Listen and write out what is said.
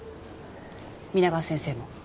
皆川先生も。